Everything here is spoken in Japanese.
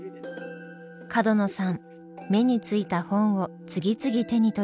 角野さん目についた本を次々手に取ります。